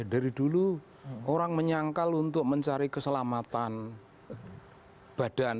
dari dulu orang menyangkal untuk mencari keselamatan badan